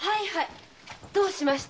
どうしました？